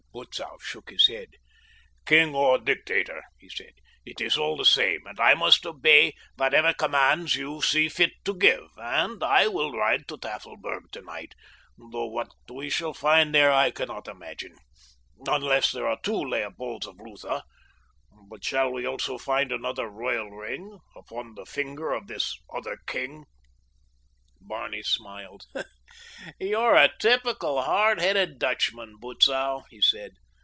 Butzow shook his head. "King or dictator," he said, "it is all the same, and I must obey whatever commands you see fit to give, and so I will ride to Tafelberg tonight, though what we shall find there I cannot imagine, unless there are two Leopolds of Lutha. But shall we also find another royal ring upon the finger of this other king?" Barney smiled. "You're a typical hard headed Dutchman, Butzow," he said.